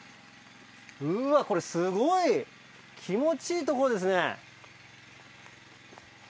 うわっこれすごい！気持ちいいとこですね。